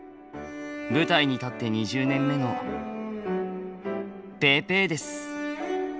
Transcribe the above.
舞台に立って２０年目のぺーペーです